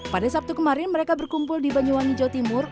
pada sabtu kemarin mereka berkumpul di banyuwangi jawa timur